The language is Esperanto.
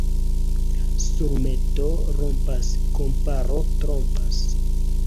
Surmeto rompas, komparo trompas.